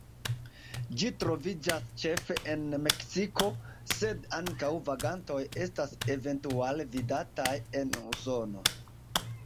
Ĝi troviĝas ĉefe en Meksiko, sed ankaŭ vagantoj estas eventuale vidataj en Usono.